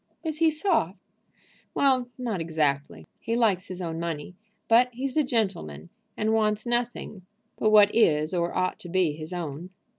"Is he soft?" "Well, not exactly. He likes his own money. But he's a gentleman, and wants nothing but what is or ought to be his own."